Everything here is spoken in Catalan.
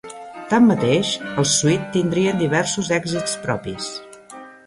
Tanmateix, els Sweet tindrien diversos èxits propis.